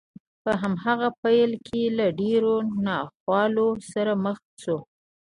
په هماغه پيل کې له ډېرو ناخوالو سره مخ شو.